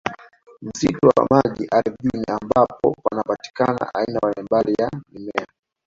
Msitu wa maji ardhini ambapo panapatikana aina mbalimbali ya mimea